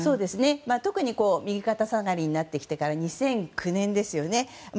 特に、右肩下がりになってきてから２００８年。